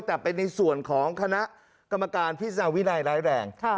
แต่เป็นในส่วนของคณะกรรมการพิจารณาวินัยร้ายแรง